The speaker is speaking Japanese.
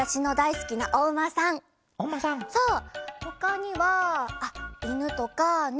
ほかにはあっいぬとかね